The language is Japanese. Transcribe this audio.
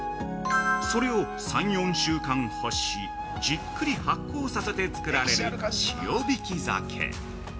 それを、３４週間干し、じっくり発酵させて作られる「塩引き鮭」。